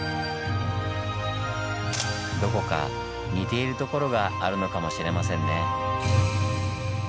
どこか似ているところがあるのかもしれませんね。